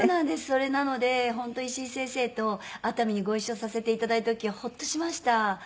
それなので本当石井先生と熱海にご一緒させていただいた時はホッとしました。